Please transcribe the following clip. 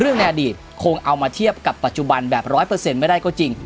ในอดีตคงเอามาเทียบกับปัจจุบันแบบร้อยเปอร์เซ็นต์ไม่ได้ก็จริง